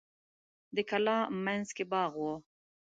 د کلا مینځ کې باغ و.